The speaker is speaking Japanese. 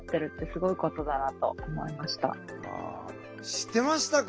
知ってましたか？